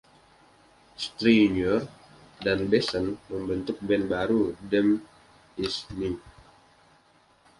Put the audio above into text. Stringer dan Bessant membentuk band baru "Them Is Me".